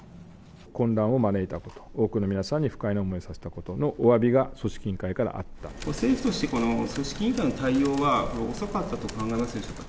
混乱を招いたこと、多くの皆さんに不快な思いをさせたことのおわびが組織委員会から政府として、この組織委員会の対応は、遅かったと考えますでしょうか。